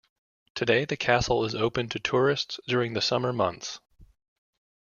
Today, the castle is open to tourists during the summer months.